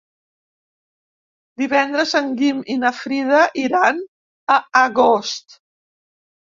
Divendres en Guim i na Frida iran a Agost.